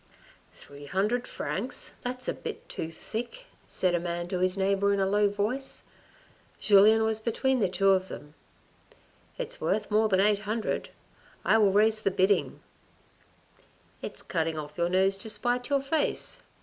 " Three hundred francs, that's a bit too thick," said a man to his neighbour in a low voice. Julien was between the two of them. "It's worth more than eight hundred, I will raise the bidding," " It's cutting off your nose to spite your face.